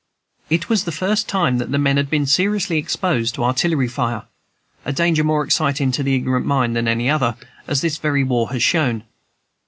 It was the first time that the men had been seriously exposed to artillery fire, a danger more exciting to the ignorant mind than any other, as this very war has shown.